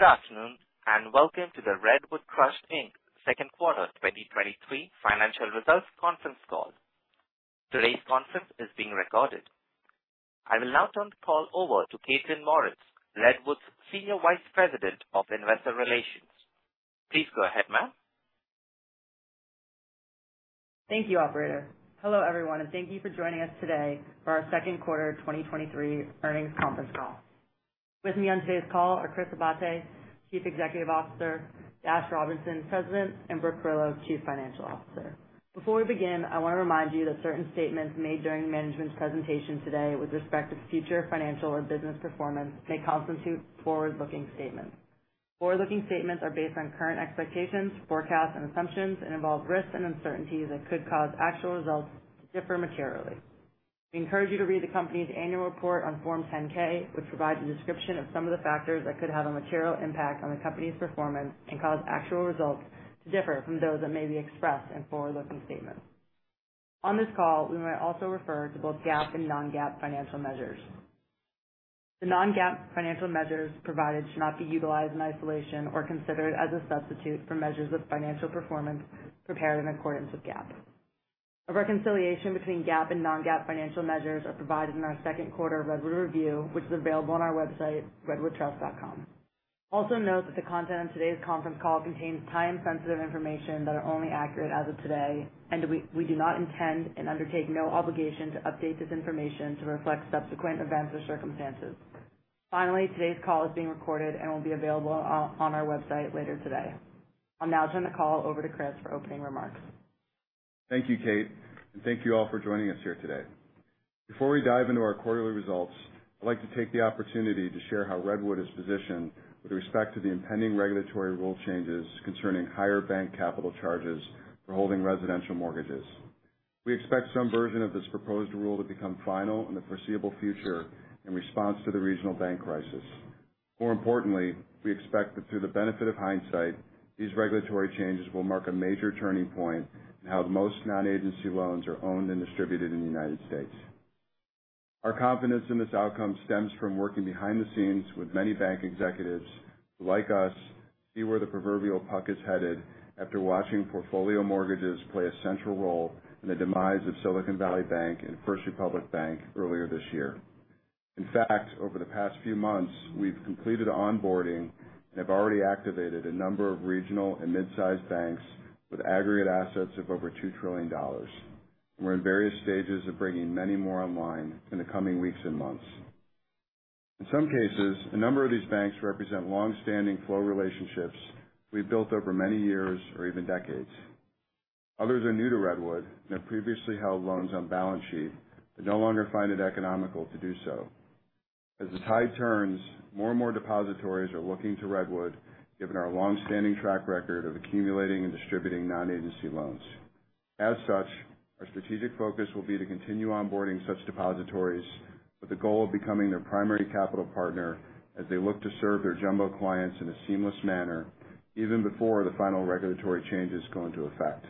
Good afternoon, and welcome to the Redwood Trust Inc. Second Quarter 2023 Financial Results Conference Call. Today's conference is being recorded. I will now turn the call over to Kaitlyn Mauritz, Redwood's Senior Vice President of Investor Relations. Please go ahead, ma'am. Thank you, operator. Hello, everyone, and thank you for joining us today for our Second Quarter 2023 Earnings Conference Call. With me on today's call are Chris Abate, Chief Executive Officer; Dash Robinson, President; and Brooke Carillo, Chief Financial Officer. Before we begin, I want to remind you that certain statements made during management's presentation today with respect to future financial or business performance may constitute forward-looking statements. Forward-looking statements are based on current expectations, forecasts, and assumptions and involve risks and uncertainties that could cause actual results to differ materially. We encourage you to read the company's annual report on Form 10-K, which provides a description of some of the factors that could have a material impact on the company's performance and cause actual results to differ from those that may be expressed in forward-looking statements. On this call, we might also refer to both GAAP and non-GAAP financial measures. The non-GAAP financial measures provided should not be utilized in isolation or considered as a substitute for measures of financial performance prepared in accordance with GAAP. A reconciliation between GAAP and non-GAAP financial measures are provided in our second quarter Redwood Review, which is available on our website, redwoodtrust.com. Also note that the content on today's conference call contains time-sensitive information that are only accurate as of today, and we do not intend and undertake no obligation to update this information to reflect subsequent events or circumstances. Finally, today's call is being recorded and will be available on our website later today. I'll now turn the call over to Chris for opening remarks. Thank you, Kate, and thank you all for joining us here today. Before I dive into our quarterly results, I'd like to take the opportunity to share how Redwood is positioned with respect to the impending regulatory rule changes concerning higher bank capital charges for holding residential mortgages. We expect some version of this proposed rule to become final in the foreseeable future in response to the regional bank crisis. More importantly, we expect that through the benefit of hindsight, these regulatory changes will mark a major turning point in how most non-agency loans are owned and distributed in the United States. Our confidence in this outcome stems from working behind the scenes with many bank executives who, like us, see where the proverbial puck is headed after watching portfolio mortgages play a central role in the demise of Silicon Valley Bank and First Republic Bank earlier this year. In fact, over the past few months, we've completed onboarding and have already activated a number of regional and mid-sized banks with aggregate assets of over $2 trillion. We're in various stages of bringing many more online in the coming weeks and months. In some cases, a number of these banks represent longstanding flow relationships we've built over many years or even decades. Others are new to Redwood and have previously held loans on balance sheet, but no longer find it economical to do so. As the tide turns, more and more depositories are looking to Redwood, given our longstanding track record of accumulating and distributing non-agency loans. As such, our strategic focus will be to continue onboarding such depositories with the goal of becoming their primary capital partner as they look to serve their jumbo clients in a seamless manner, even before the final regulatory changes go into effect.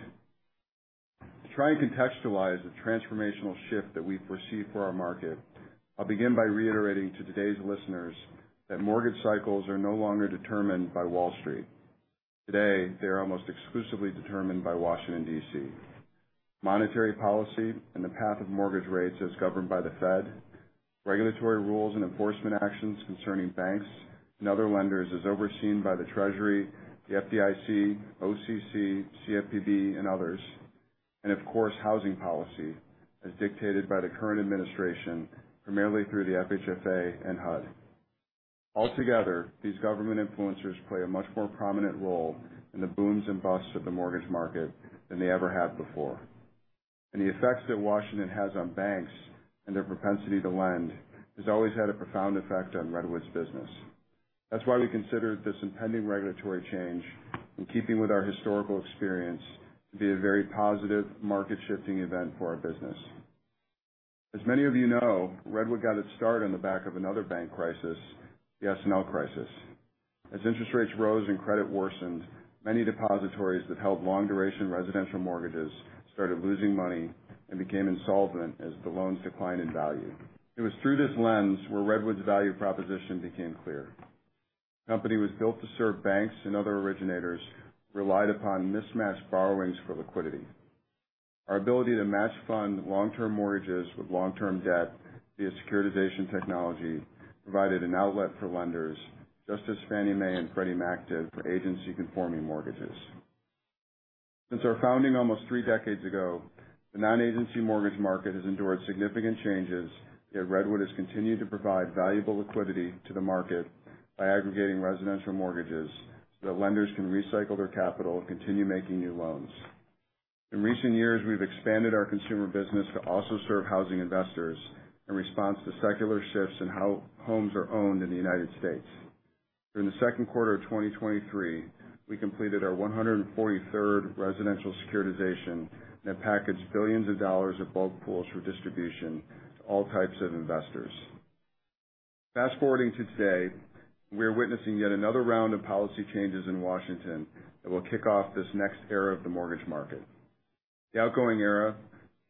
To try and contextualize the transformational shift that we foresee for our market, I'll begin by reiterating to today's listeners that mortgage cycles are no longer determined by Wall Street. Today, they are almost exclusively determined by Washington, D.C. Monetary policy and the path of mortgage rates is governed by the Fed. Regulatory rules and enforcement actions concerning banks and other lenders is overseen by the Treasury, the FDIC, OCC, CFPB, and others. Of course, housing policy, as dictated by the current administration, primarily through the FHFA and HUD. Altogether, these government influencers play a much more prominent role in the booms and busts of the mortgage market than they ever have before. The effects that Washington has on banks and their propensity to lend has always had a profound effect on Redwood's business. That's why we consider this impending regulatory change, in keeping with our historical experience, to be a very positive market-shifting event for our business. As many of you know, Redwood got its start on the back of another bank crisis, the S&L crisis. As interest rates rose and credit worsened, many depositories that held long-duration residential mortgages started losing money and became insolvent as the loans declined in value. It was through this lens where Redwood's value proposition became clear. The company was built to serve banks and other originators who relied upon mismatched borrowings for liquidity. Our ability to match fund long-term mortgages with long-term debt via securitization technology provided an outlet for lenders, just as Fannie Mae and Freddie Mac did for agency-conforming mortgages. Since our founding almost three decades ago, the non-agency mortgage market has endured significant changes, yet Redwood has continued to provide valuable liquidity to the market by aggregating residential mortgages so that lenders can recycle their capital and continue making new loans. In recent years, we've expanded our consumer business to also serve housing investors in response to secular shifts in how homes are owned in the United States. During the second quarter of 2023, we completed our 143rd residential securitization that packaged billions of dollars of bulk pools for distribution to all types of investors. Fast-forwarding to today, we are witnessing yet another round of policy changes in Washington that will kick off this next era of the mortgage market. The outgoing era,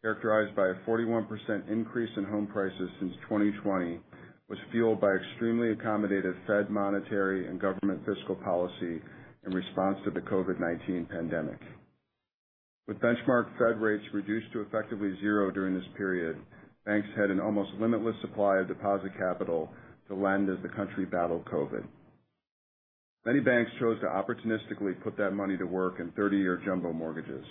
characterized by a 41% increase in home prices since 2020, was fueled by extremely accommodative Fed monetary and government fiscal policy in response to the COVID-19 pandemic. With benchmark Fed rates reduced to effectively zero during this period, banks had an almost limitless supply of deposit capital to lend as the country battled COVID. Many banks chose to opportunistically put that money to work in 30-year jumbo mortgages,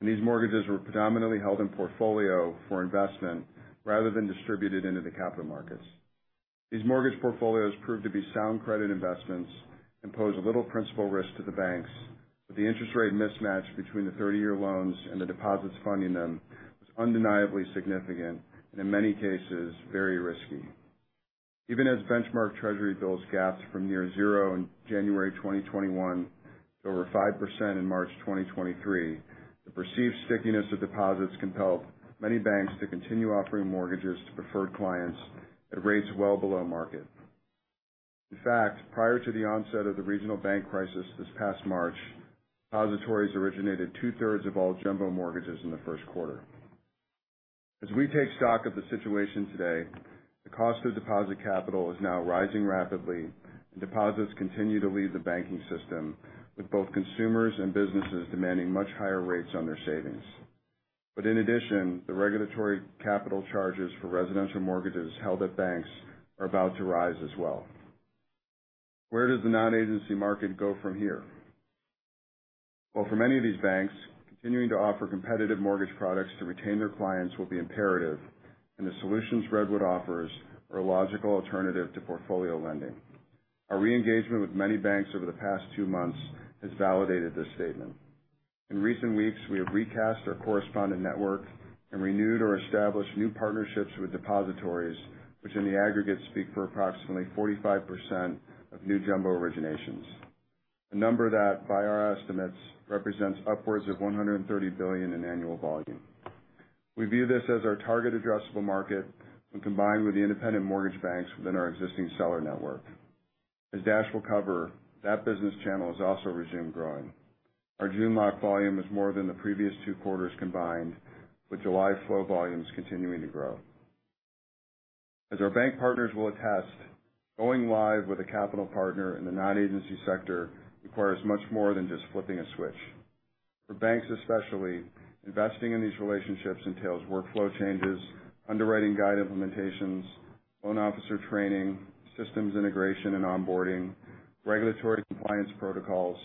and these mortgages were predominantly held in portfolio for investment rather than distributed into the capital markets. These mortgage portfolios proved to be sound credit investments and posed little principal risk to the banks, but the interest rate mismatch between the 30-year loans and the deposits funding them was undeniably significant and in many cases, very risky. Even as benchmark Treasury bills gapped from near zero in January 2021 to over 5% in March 2023, the perceived stickiness of deposits compelled many banks to continue offering mortgages to preferred clients at rates well below market. In fact, prior to the onset of the regional bank crisis this past March, depositories originated two-thirds of all jumbo mortgages in the first quarter. As we take stock of the situation today, the cost of deposit capital is now rising rapidly, and deposits continue to leave the banking system, with both consumers and businesses demanding much higher rates on their savings. In addition, the regulatory capital charges for residential mortgages held at banks are about to rise as well. Where does the non-agency market go from here? Well, for many of these banks, continuing to offer competitive mortgage products to retain their clients will be imperative, and the solutions Redwood offers are a logical alternative to portfolio lending. Our re-engagement with many banks over the past two months has validated this statement. In recent weeks, we have recast our correspondent network and renewed or established new partnerships with depositories, which in the aggregate, speak for approximately 45% of new jumbo originations. A number that, by our estimates, represents upwards of $130 billion in annual volume. We view this as our target addressable market, when combined with the independent mortgage banks within our existing seller network. As Dash will cover, that business channel has also resumed growing. Our June lock volume is more than the previous two quarters combined, with July flow volumes continuing to grow. As our bank partners will attest, going live with a capital partner in the non-agency sector requires much more than just flipping a switch. For banks especially, investing in these relationships entails workflow changes, underwriting guide implementations, loan officer training, systems integration and onboarding, regulatory compliance protocols,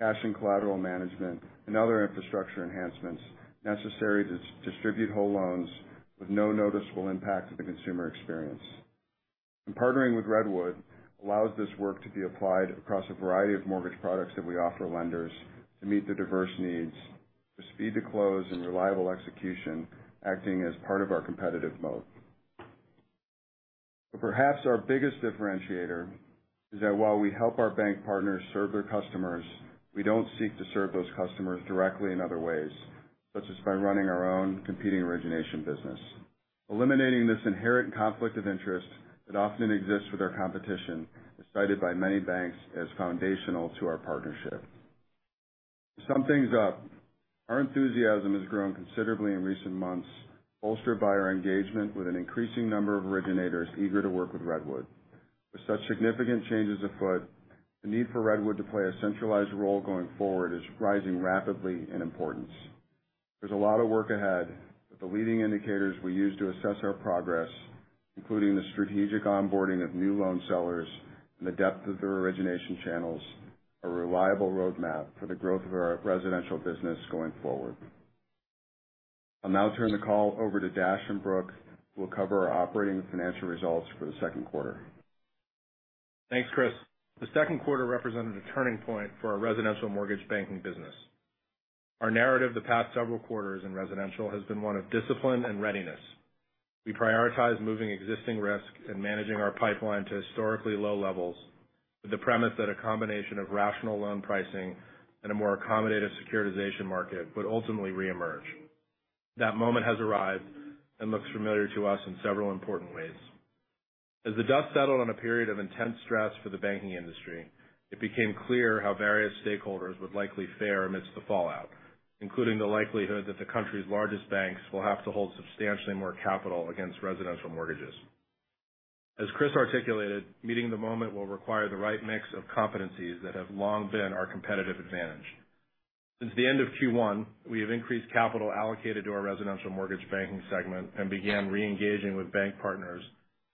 cash and collateral management, and other infrastructure enhancements necessary to distribute whole loans with no noticeable impact to the consumer experience. Partnering with Redwood allows this work to be applied across a variety of mortgage products that we offer lenders to meet their diverse needs, with speed to close and reliable execution, acting as part of our competitive moat. Perhaps our biggest differentiator is that while we help our bank partners serve their customers, we don't seek to serve those customers directly in other ways, such as by running our own competing origination business. Eliminating this inherent conflict of interest that often exists with our competition, is cited by many banks as foundational to our partnership. To sum things up, our enthusiasm has grown considerably in recent months, bolstered by our engagement with an increasing number of originators eager to work with Redwood. With such significant changes afoot, the need for Redwood to play a centralized role going forward is rising rapidly in importance. There's a lot of work ahead. The leading indicators we use to assess our progress, including the strategic onboarding of new loan sellers and the depth of their origination channels, are a reliable roadmap for the growth of our residential business going forward. I'll now turn the call over to Dash and Brooke, who will cover our operating and financial results for the second quarter. Thanks, Chris. The second quarter represented a turning point for our residential mortgage banking business. Our narrative the past several quarters in residential has been one of discipline and readiness. We prioritize moving existing risk and managing our pipeline to historically low levels, with the premise that a combination of rational loan pricing and a more accommodative securitization market would ultimately re-emerge. That moment has arrived and looks familiar to us in several important ways. As the dust settled on a period of intense stress for the banking industry, it became clear how various stakeholders would likely fare amidst the fallout, including the likelihood that the country's largest banks will have to hold substantially more capital against residential mortgages. As Chris articulated, meeting the moment will require the right mix of competencies that have long been our competitive advantage. Since the end of Q1, we have increased capital allocated to our residential mortgage banking segment and began reengaging with bank partners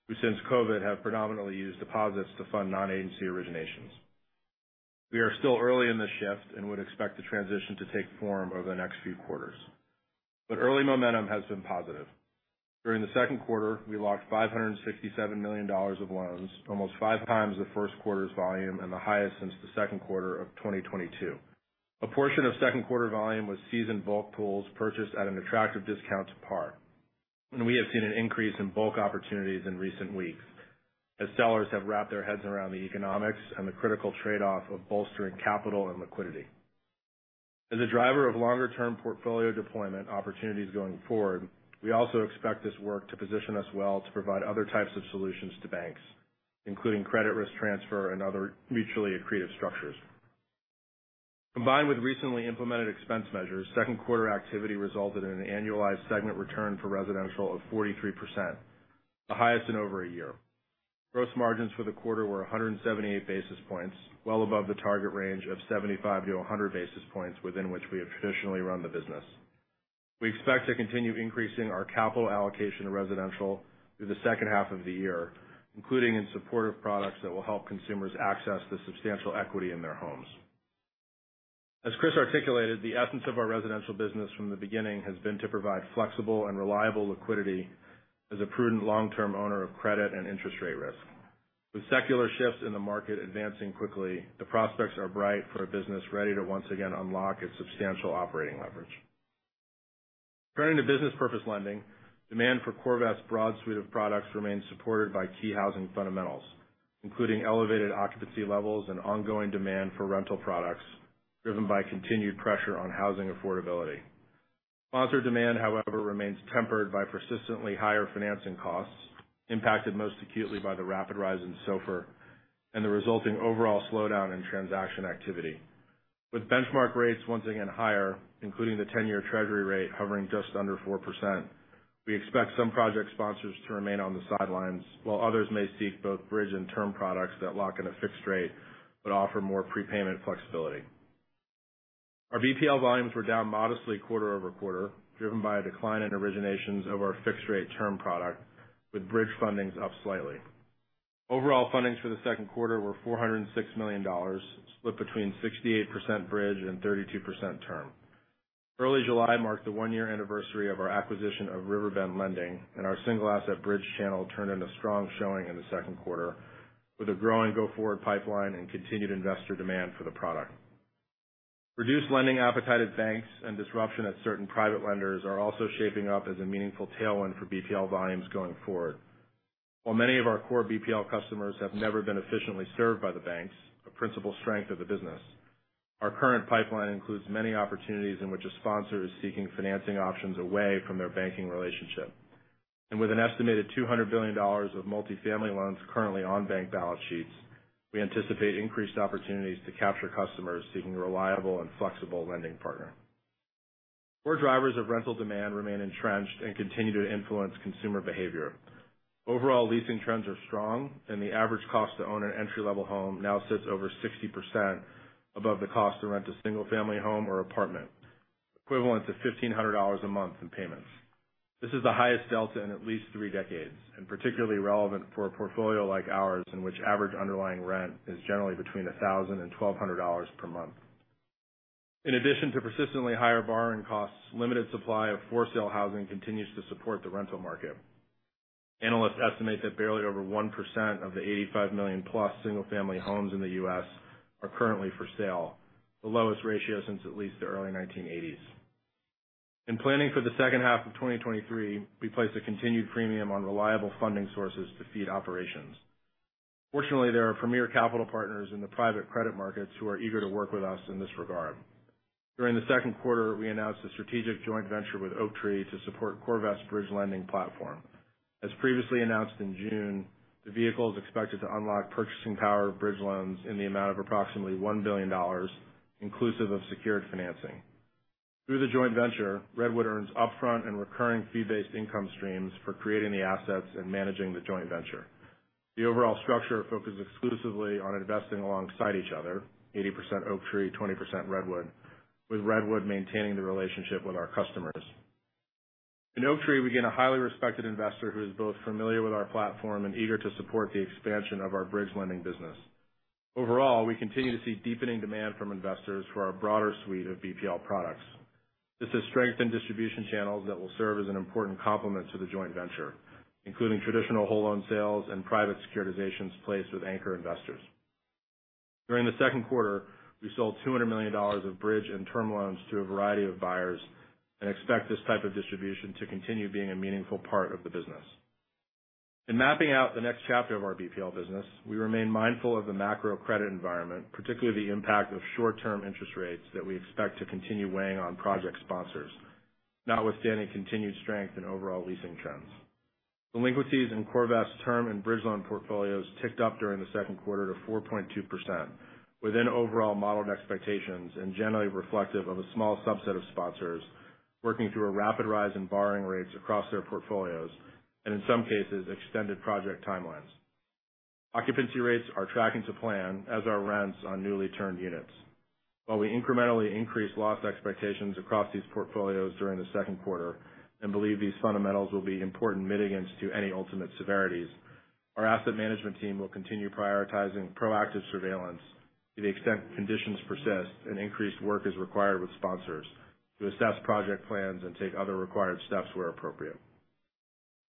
who, since COVID, have predominantly used deposits to fund non-agency originations. We are still early in this shift and would expect the transition to take form over the next few quarters. Early momentum has been positive. During the second quarter, we locked $567 million of loans, almost 5x the first quarter's volume and the highest since the second quarter of 2022. A portion of second quarter volume was seasoned bulk pools purchased at an attractive discount to par, and we have seen an increase in bulk opportunities in recent weeks, as sellers have wrapped their heads around the economics and the critical trade-off of bolstering capital and liquidity. As a driver of longer-term portfolio deployment opportunities going forward, we also expect this work to position us well to provide other types of solutions to banks. including credit risk transfer and other mutually accretive structures. Combined with recently implemented expense measures, second quarter activity resulted in an annualized segment return for residential of 43%, the highest in over a year. Gross margins for the quarter were 178 basis points, well above the target range of 75 to 100 basis points, within which we have traditionally run the business. We expect to continue increasing our capital allocation to residential through the second half of the year, including in supportive products that will help consumers access the substantial equity in their homes. As Chris articulated, the essence of our residential business from the beginning, has been to provide flexible and reliable liquidity as a prudent long-term owner of credit and interest rate risk. With secular shifts in the market advancing quickly, the prospects are bright for a business ready to once again unlock its substantial operating leverage. Turning to business purpose lending, demand for CoreVest's broad suite of products remains supported by key housing fundamentals, including elevated occupancy levels and ongoing demand for rental products, driven by continued pressure on housing affordability. Sponsor demand, however, remains tempered by persistently higher financing costs, impacted most acutely by the rapid rise in SOFR and the resulting overall slowdown in transaction activity. With benchmark rates once again higher, including the 10-year Treasury rate hovering just under 4%, we expect some project sponsors to remain on the sidelines, while others may seek both bridge and term products that lock in a fixed rate, but offer more prepayment flexibility. Our BPL volumes were down modestly quarter-over-quarter, driven by a decline in originations of our fixed rate term product, with bridge fundings up slightly. Overall, fundings for the second quarter were $406 million, split between 68% bridge and 32% term. Early July marked the one year anniversary of our acquisition of Riverbend Lending, and our single asset bridge channel turned in a strong showing in the second quarter, with a growing go-forward pipeline and continued investor demand for the product. Reduced lending appetite at banks and disruption at certain private lenders are also shaping up as a meaningful tailwind for BPL volumes going forward. While many of our core BPL customers have never been efficiently served by the banks, a principal strength of the business, our current pipeline includes many opportunities in which a sponsor is seeking financing options away from their banking relationship. With an estimated $200 billion of multi-family loans currently on bank balance sheets, we anticipate increased opportunities to capture customers seeking a reliable and flexible lending partner. Core drivers of rental demand remain entrenched and continue to influence consumer behavior. Overall, leasing trends are strong, and the average cost to own an entry-level home now sits over 60% above the cost to rent a single-family home or apartment, equivalent to $1,500 a month in payments. This is the highest delta in at least three decades, particularly relevant for a portfolio like ours, in which average underlying rent is generally between $1,000 and $1,200 per month. In addition to persistently higher borrowing costs, limited supply of for-sale housing continues to support the rental market. Analysts estimate that barely over 1% of the 85 million-plus single-family homes in the U.S. are currently for sale, the lowest ratio since at least the early 1980s. In planning for the second half of 2023, we place a continued premium on reliable funding sources to feed operations. Fortunately, there are premier capital partners in the private credit markets who are eager to work with us in this regard. During the second quarter, we announced a strategic joint venture with Oaktree to support CoreVest's bridge lending platform. As previously announced in June, the vehicle is expected to unlock purchasing power of bridge loans in the amount of approximately $1 billion, inclusive of secured financing. Through the joint venture, Redwood earns upfront and recurring fee-based income streams for creating the assets and managing the joint venture. The overall structure focuses exclusively on investing alongside each other, 80% Oaktree, 20% Redwood, with Redwood maintaining the relationship with our customers. In Oaktree, we gain a highly respected investor who is both familiar with our platform and eager to support the expansion of our bridge lending business. Overall, we continue to see deepening demand from investors for our broader suite of BPL products. This has strengthened distribution channels that will serve as an important complement to the joint venture, including traditional whole loan sales and private securitizations placed with anchor investors. During the second quarter, we sold $200 million of bridge and term loans to a variety of buyers and expect this type of distribution to continue being a meaningful part of the business. In mapping out the next chapter of our BPL business, we remain mindful of the macro credit environment, particularly the impact of short-term interest rates, that we expect to continue weighing on project sponsors, notwithstanding continued strength in overall leasing trends. Delinquencies in CoreVest's term and bridge loan portfolios ticked up during the second quarter to 4.2%, within overall modeled expectations and generally reflective of a small subset of sponsors working through a rapid rise in borrowing rates across their portfolios and in some cases, extended project timelines. Occupancy rates are tracking to plan, as are rents on newly turned units. While we incrementally increased loss expectations across these portfolios during the second quarter and believe these fundamentals will be important mitigants to any ultimate severities, our asset management team will continue prioritizing proactive surveillance to the extent conditions persist and increased work is required with sponsors to assess project plans and take other required steps where appropriate.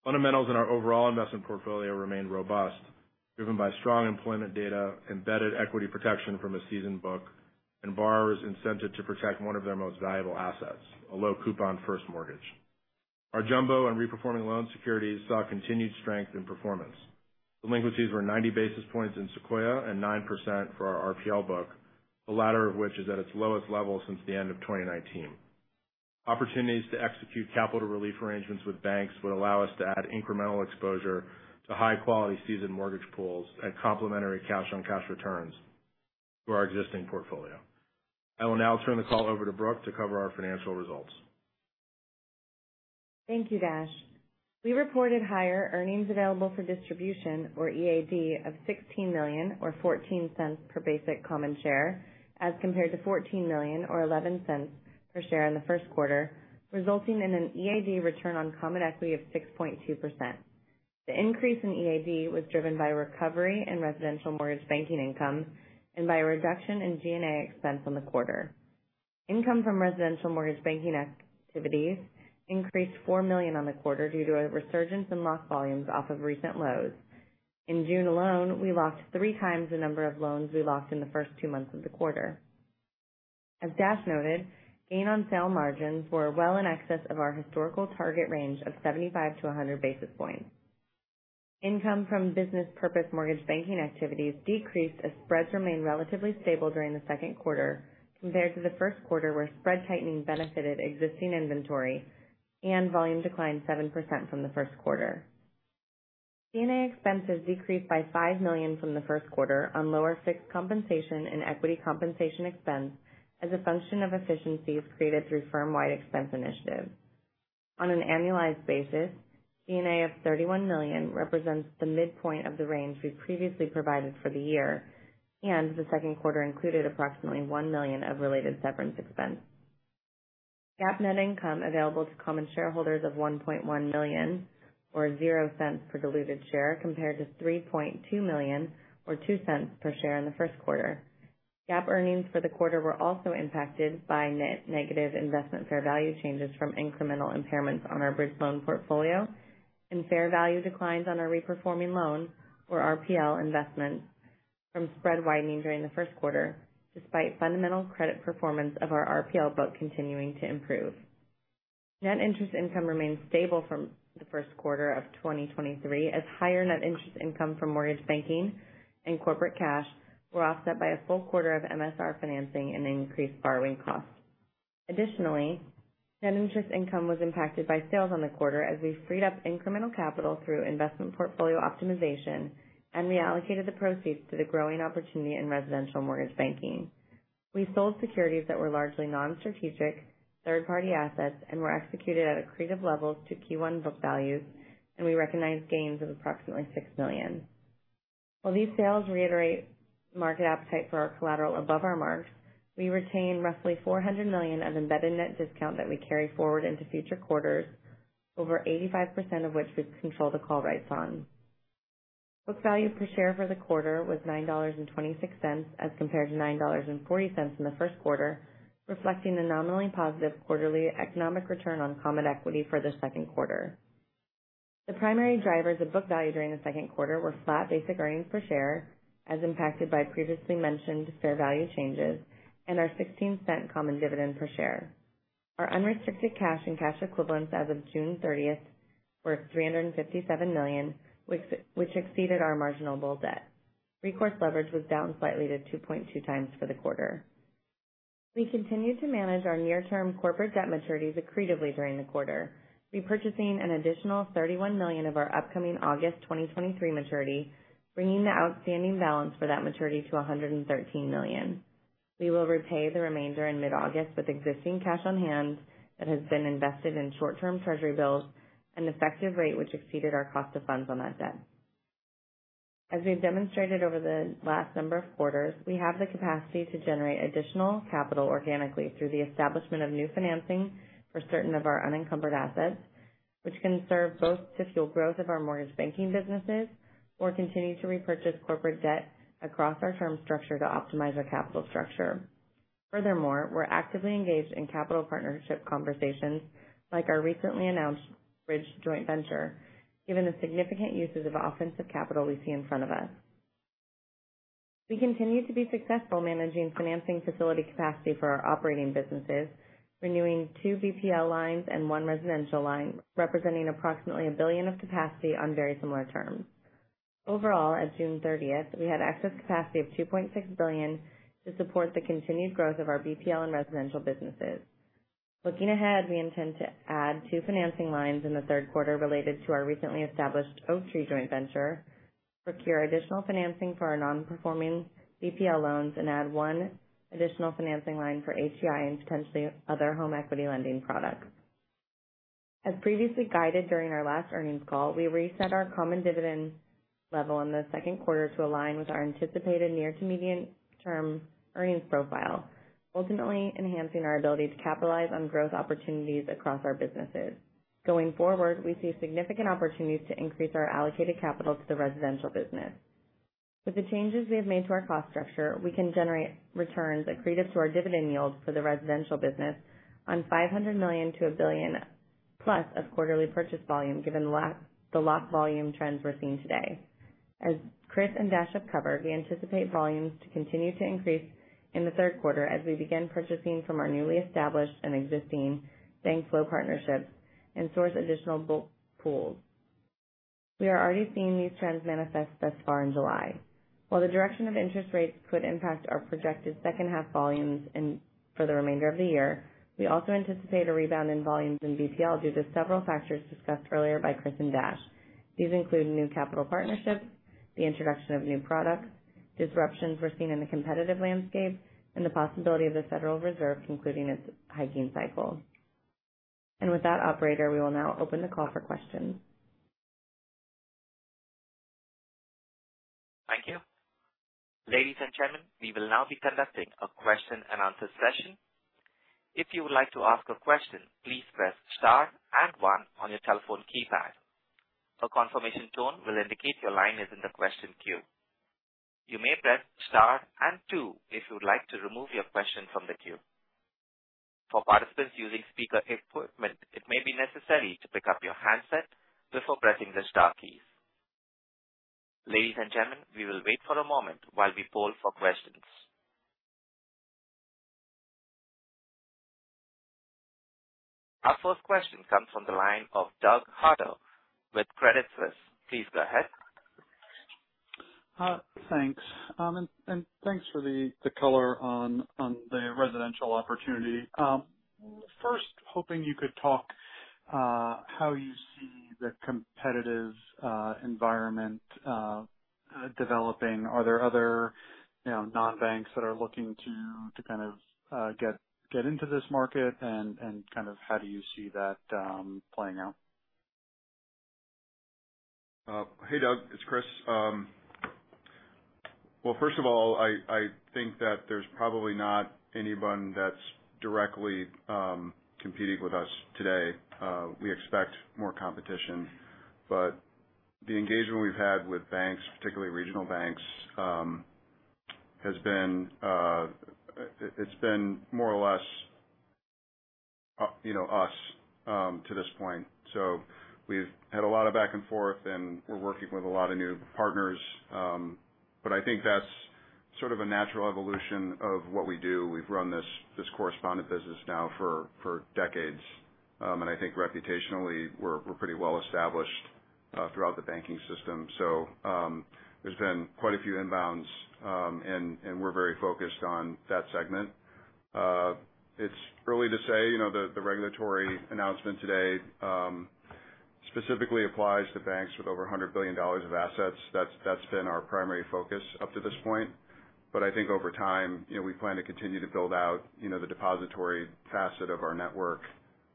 Fundamentals in our overall investment portfolio remain robust, driven by strong employment data, embedded equity protection from a seasoned book, and borrowers incentive to protect one of their most valuable assets, a low-coupon first mortgage. Our jumbo and reperforming loan securities saw continued strength and performance. Delinquencies were 90 basis points in Sequoia and 9% for our RPL book, the latter of which is at its lowest level since the end of 2019. Opportunities to execute capital relief arrangements with banks would allow us to add incremental exposure to high-quality seasoned mortgage pools and complementary cash-on-cash returns to our existing portfolio. I will now turn the call over to Brooke to cover our financial results. Thank you, Dash. We reported higher earnings available for distribution, or EAD, of $16 million, or $0.14 per basic common share, as compared to $14 million or $0.11 per share in the first quarter, resulting in an EAD return on common equity of 6.2%. The increase in EAD was driven by recovery in residential mortgage banking income and by a reduction in G&A expense on the quarter. Income from residential mortgage banking activities increased $4 million on the quarter due to a resurgence in loss volumes off of recent lows. In June alone, we locked 3x the number of loans we locked in the first two months of the quarter. As Dash noted, gain on sale margins were well in excess of our historical target range of 75-100 basis points. Income from business purpose mortgage banking activities decreased as spreads remained relatively stable during the second quarter compared to the first quarter, where spread tightening benefited existing inventory and volume declined 7% from the first quarter. G&A expenses decreased by $5 million from the first quarter on lower fixed compensation and equity compensation expense as a function of efficiencies created through firm-wide expense initiatives. On an annualized basis, G&A of $31 million represents the midpoint of the range we previously provided for the year, and the second quarter included approximately $1 million of related severance expense. GAAP net income available to common shareholders of $1.1 million, or $0.00 per diluted share, compared to $3.2 million, or $0.02 per share in the first quarter. GAAP earnings for the quarter were also impacted by net negative investment fair value changes from incremental impairments on our bridge loan portfolio and fair value declines on our reperforming loan, or RPL, investments from spread widening during the first quarter, despite fundamental credit performance of our RPL book continuing to improve. Net interest income remained stable from the first quarter of 2023, as higher net interest income from mortgage banking and corporate cash were offset by a full quarter of MSR financing and increased borrowing costs. Additionally, net interest income was impacted by sales on the quarter as we freed up incremental capital through investment portfolio optimization and reallocated the proceeds to the growing opportunity in residential mortgage banking. We sold securities that were largely non-strategic third-party assets and were executed at accretive levels to Q1 book values, and we recognized gains of approximately $6 million. While these sales reiterate market appetite for our collateral above our marks, we retain roughly $400 million of embedded net discount that we carry forward into future quarters, over 85% of which we control the call rights on. Book value per share for the quarter was $9.26, as compared to $9.40 in the first quarter, reflecting a nominally positive quarterly economic return on common equity for the second quarter. The primary drivers of book value during the second quarter were flat basic earnings per share, as impacted by previously mentioned fair value changes and our $0.16 common dividend per share. Our unrestricted cash and cash equivalents as of June 30th were $357 million, which exceeded our marginable debt. Recourse leverage was down slightly to 2.2x for the quarter. We continued to manage our near-term corporate debt maturities accretively during the quarter, repurchasing an additional $31 million of our upcoming August 2023 maturity, bringing the outstanding balance for that maturity to $113 million. We will repay the remainder in mid-August with existing cash on hand that has been invested in short-term Treasury bills, an effective rate which exceeded our cost of funds on that debt. As we've demonstrated over the last number of quarters, we have the capacity to generate additional capital organically through the establishment of new financing for certain of our unencumbered assets, which can serve both to fuel growth of our mortgage banking businesses or continue to repurchase corporate debt across our term structure to optimize our capital structure. Furthermore, we're actively engaged in capital partnership conversations like our recently announced bridge joint venture, given the significant uses of offensive capital we see in front of us. We continue to be successful managing financing facility capacity for our operating businesses, renewing two BPL lines and one residential line, representing approximately $1 billion of capacity on very similar terms. Overall, as of June 30th, we had excess capacity of $2.6 billion to support the continued growth of our BPL and residential businesses. Looking ahead, we intend to add two financing lines in the third quarter related to our recently established Oaktree joint venture, procure additional financing for our non-performing BPL loans, and add one additional financing line for HEI and potentially other home equity lending products. As previously guided during our last earnings call, we reset our common dividend level in the second quarter to align with our anticipated near to medium-term earnings profile, ultimately enhancing our ability to capitalize on growth opportunities across our businesses. Going forward, we see significant opportunities to increase our allocated capital to the residential business. With the changes we have made to our cost structure, we can generate returns accretive to our dividend yield for the residential business on $500 million to $1 billion+ of quarterly purchase volume, given the last volume trends we're seeing today. As Chris and Dash have covered, we anticipate volumes to continue to increase in the third quarter as we begin purchasing from our newly established and existing bank flow partnerships and source additional bulk pools. We are already seeing these trends manifest thus far in July. While the direction of interest rates could impact our projected second half volumes and for the remainder of the year, we also anticipate a rebound in volumes in BTL due to several factors discussed earlier by Chris and Dash. These include new capital partnerships, the introduction of new products, disruptions we're seeing in the competitive landscape, and the possibility of the Federal Reserve concluding its hiking cycle. With that, operator, we will now open the call for questions. Thank you. Ladies and gentlemen, we will now be conducting a question and answer session. If you would like to ask a question, please press star and one on your telephone keypad. A confirmation tone will indicate your line is in the question queue. You may press star and two if you would like to remove your question from the queue. For participants using speaker equipment, it may be necessary to pick up your handset before pressing the star key. Ladies and gentlemen, we will wait for a moment while we poll for questions. Our first question comes from the line of Doug Harter with Credit Suisse. Please go ahead. Thanks. Thanks for the, the color on, on the residential opportunity. First, hoping you could talk how you see the competitive environment developing. Are there other, you know, non-banks that are looking to, to kind of get, get into this market? Kind of how do you see that playing out? Hey, Doug, it's Chris. Well, first of all, I, I think that there's probably not anyone that's directly competing with us today. We expect more competition, but the engagement we've had with banks, particularly regional banks, has been, it's been more or less, you know, us to this point. We've had a lot of back and forth, and we're working with a lot of new partners. I think that's sort of a natural evolution of what we do. We've run this, this correspondent business now for decades. I think reputationally, we're pretty well established throughout the banking system. There's been quite a few inbounds, and we're very focused on that segment. It's early to say, you know, the regulatory announcement today specifically applies to banks with over $100 billion of assets. That's, that's been our primary focus up to this point. I think over time, you know, we plan to continue to build out, you know, the depository facet of our network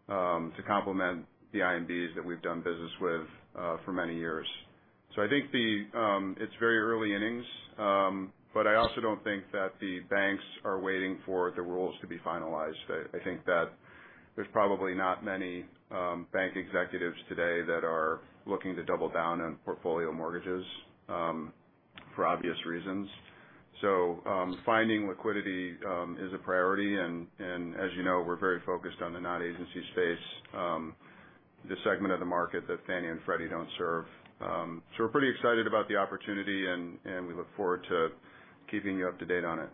to complement the IMBs that we've done business with for many years. I think the, it's very early innings, but I also don't think that the banks are waiting for the rules to be finalized. I, I think that there's probably not many bank executives today that are looking to double down on portfolio mortgages for obvious reasons. Finding liquidity is a priority. As you know, we're very focused on the non-agency space, the segment of the market that Fannie and Freddie don't serve. We're pretty excited about the opportunity, and, and we look forward to keeping you up to date on it.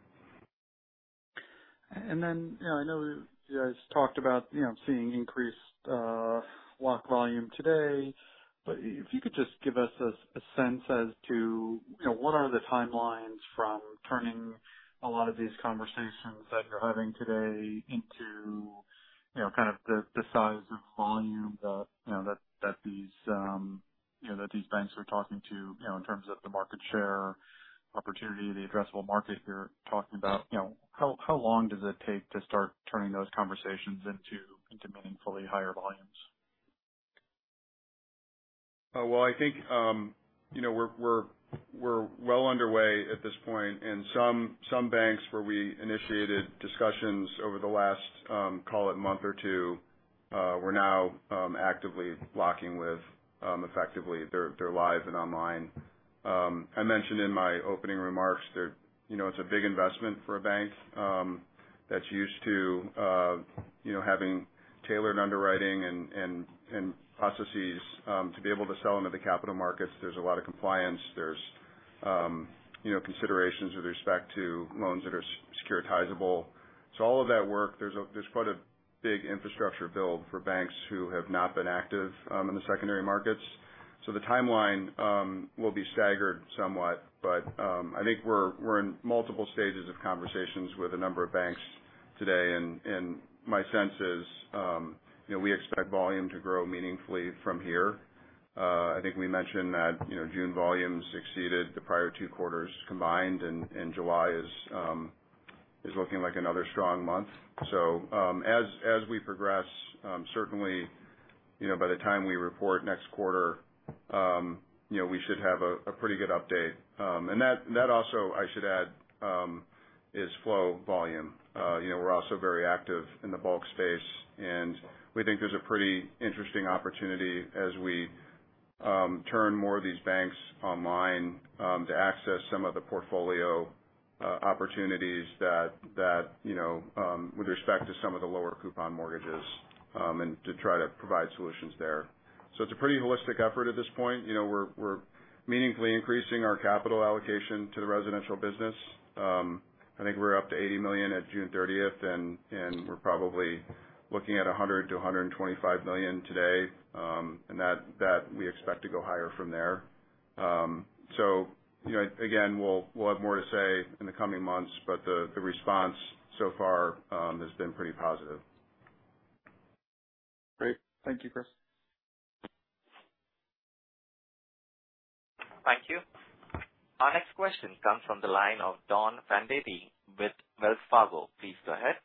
Then, you know, I know you guys talked about, you know, seeing increased lock volume today, but if you could just give us, a sense as to, you know, what are the timelines from turning a lot of these conversations that you're having today into, you know, kind of the, the size of volume that you know, that, that these, you know, that these banks are talking to, you know, in terms of the market share opportunity, the addressable market you're talking about, you know, how, how long does it take to start turning those conversations into, into meaningfully higher volumes? Well, I think, you know, we're, we're, we're well underway at this point. Some, some banks where we initiated discussions over the last, call it month or two, we're now actively locking with, effectively. They're, they're live and online. I mentioned in my opening remarks that, you know, it's a big investment for a bank that's used to, you know, having tailored underwriting and, and, and processes to be able to sell into the capital markets. There's a lot of compliance. There's, you know, considerations with respect to loans that are securitizable. All of that work, there's quite a big infrastructure build for banks who have not been active in the secondary markets. The timeline will be staggered somewhat, but, I think we're in multiple stages of conversations with a number of banks today, and my sense is, you know, we expect volume to grow meaningfully from here. I think we mentioned that, you know, June volumes exceeded the prior two quarters combined, and July is looking like another strong month. As we progress, certainly, you know, by the time we report next quarter, you know, we should have a pretty good update. That also, I should add, is flow volume. You know, we're also very active in the bulk space, and we think there's a pretty interesting opportunity as we turn more of these banks online to access some of the portfolio opportunities that, that, you know, with respect to some of the lower coupon mortgages, and to try to provide solutions there. It's a pretty holistic effort at this point. You know, we're, we're meaningfully increasing our capital allocation to the residential business. I think we're up to $80 million at June 30th, and we're probably looking at $100 million to $125 million today. That we expect to go higher from there. You know, again, we'll, we'll have more to say in the coming months, but the, the response so far, has been pretty positive. Great. Thank you, Chris. Thank you. Our next question comes from the line of Don Fandetti with Wells Fargo. Please go ahead.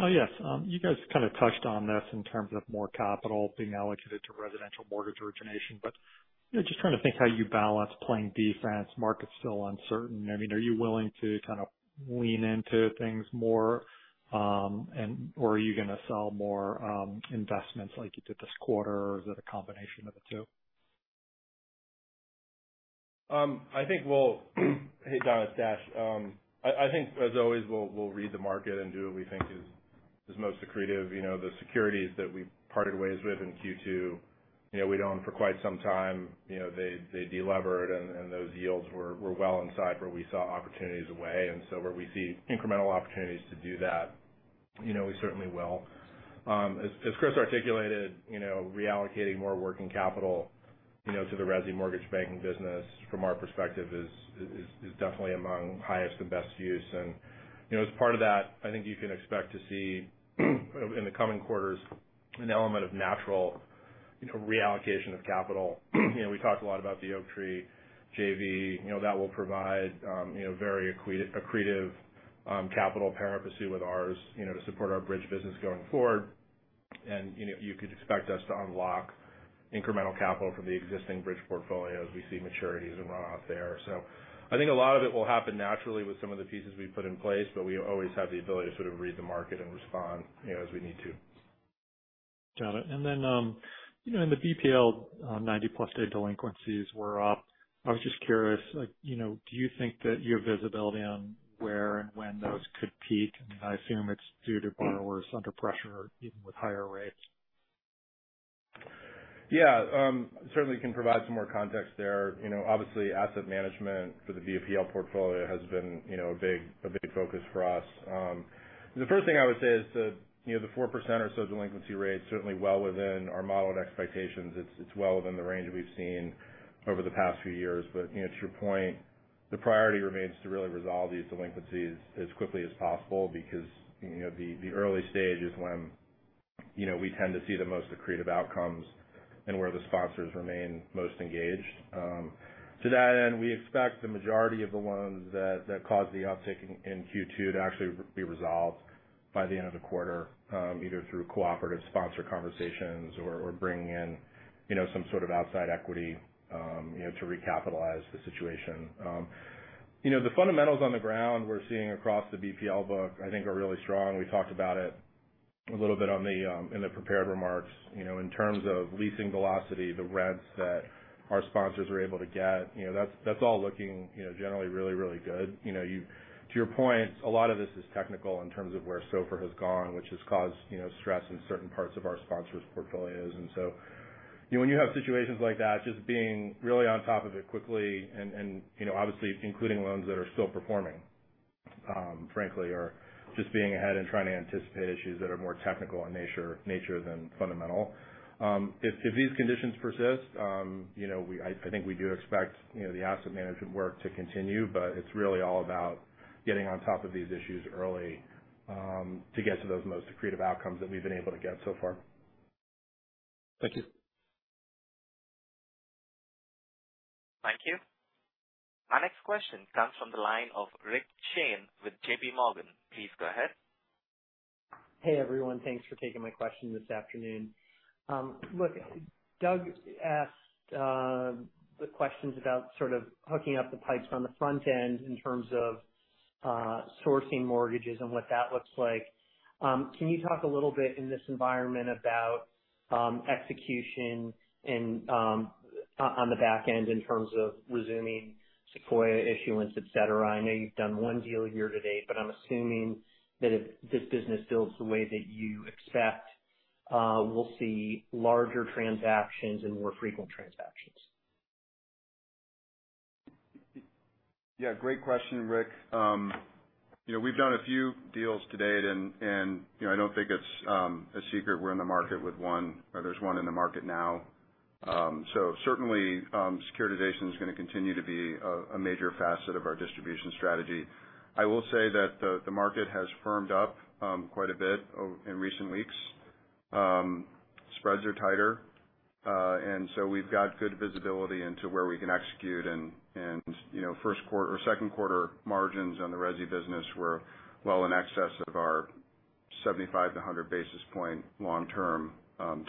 Oh, yes. You guys kind of touched on this in terms of more capital being allocated to residential mortgage origination. You know, just trying to think how you balance playing defense, market's still uncertain. I mean, are you willing to kind of lean into things more, or are you going to sell more investments like you did this quarter? Or is it a combination of the two? I think we'll, hey, Don, it's Dash. I, I think as always, we'll, we'll read the market and do what we think is, is most accretive. You know, the securities that we parted ways with in Q2, you know, we owned for quite some time. You know, they, they delevered, and, and those yields were, were well inside where we saw opportunities away. Where we see incremental opportunities to do that, you know, we certainly will. As, as Chris articulated, you know, reallocating more working capital, you know, to the resi mortgage banking business from our perspective is, is, is definitely among highest and best use. As, you know, as part of that, I think you can expect to see, in the coming quarters, an element of natural, you know, reallocation of capital. You know, we talked a lot about the Oaktree JV. You know, that will provide, you know, very accretive capital par with ours, you know, to support our bridge business going forward. You know, you could expect us to unlock incremental capital from the existing bridge portfolio as we see maturities and roll out there. I think a lot of it will happen naturally with some of the pieces we've put in place, but we always have the ability to sort of read the market and respond, you know, as we need to. Got it. Then, you know, in the BPL, 90+ day delinquencies were up. I was just curious, like, you know, do you think that you have visibility on where and when those could peak? I assume it's due to borrowers under pressure, even with higher rates. Yeah, certainly can provide some more context there. You know, obviously, asset management for the BPL portfolio has been, you know, a big, a big focus for us. The first thing I would say is that, you know, the 4% or so delinquency rate, certainly well within our modeled expectations. It's, it's well within the range that we've seen over the past few years. You know, to your point, the priority remains to really resolve these delinquencies as quickly as possible because, you know, the early stage is when, you know, we tend to see the most accretive outcomes and where the sponsors remain most engaged. To that end, we expect the majority of the loans that, that caused the uptick in Q2 to actually be resolved by the end of the quarter, either through cooperative sponsor conversations or, or bringing in, you know, some sort of outside equity, you know, to recapitalize the situation. You know, the fundamentals on the ground we're seeing across the BPL book, I think are really strong. We talked about it a little bit on the, in the prepared remarks. You know, in terms of leasing velocity, the rents that our sponsors are able to get, you know, that's, that's all looking, you know, generally really, really good. You know, to your point, a lot of this is technical in terms of where SOFR has gone, which has caused, you know, stress in certain parts of our sponsors' portfolios. So, you know, when you have situations like that, just being really on top of it quickly and, you know, obviously including loans that are still performing, frankly, or just being ahead and trying to anticipate issues that are more technical in nature than fundamental. If, if these conditions persist, you know, I, I think we do expect, you know, the asset management work to continue, but it's really all about getting on top of these issues early, to get to those most accretive outcomes that we've been able to get so far. Thank you. Thank you. Our next question comes from the line of Rick Shane with JPMorgan. Please go ahead. Hey, everyone. Thanks for taking my question this afternoon. Look, Doug asked the questions about sort of hooking up the pipes on the front end in terms of sourcing mortgages and what that looks like. Can you talk a little bit in this environment about execution and on the back end in terms of resuming Sequoia issuance, et cetera? I know you've done one deal year to date, but I'm assuming that if this business builds the way that you expect, we'll see larger transactions and more frequent transactions. Yeah, great question, Rick. You know, we've done a few deals to date, and, and, you know, I don't think it's a secret. We're in the market with one, or there's one in the market now. Certainly, securitization is going to continue to be a major facet of our distribution strategy. I will say that the market has firmed up quite a bit in recent weeks. Spreads are tighter, and so we've got good visibility into where we can execute. And, and, you know, first quarter or second quarter margins on the resi business were well in excess of our 75-100 basis point long-term